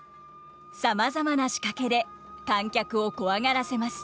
さまざまな仕掛けで観客をコワがらせます。